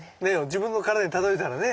自分の体に例えたらね。